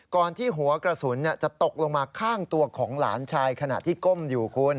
ก่อนที่หัวกระสุนจะตกลงมาข้างตัวของหลานชายขณะที่ก้มอยู่คุณ